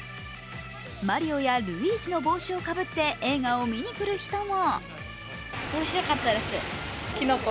マリオやルイージの帽子をかぶって映画を見に来る人も。